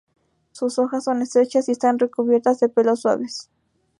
Sus hojas son estrechas y están recubiertas de pelos suaves.